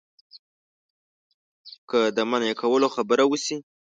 که د منع کولو خبره وشي.